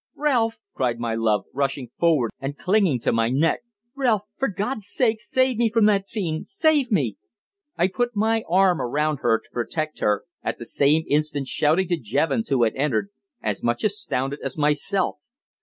"Ralph!" cried my love, rushing forward and clinging to my neck. "Ralph! For God's sake save me from that fiend! Save me!" I put my arm around her to protect her, at the same instant shouting to Jevons, who entered, as much astounded as myself.